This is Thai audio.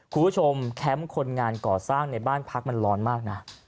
แคมป์คนงานก่อสร้างในบ้านพักมันร้อนมากนะ